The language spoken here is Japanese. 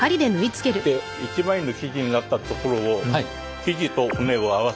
で一枚の生地になったところを生地と骨を合わせて。